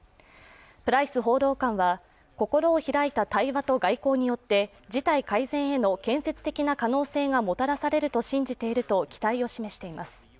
プライス報道官は、心を開いた対話と外交によって事態改善への建設的な可能性がもたらされると信じていると期待を示しています。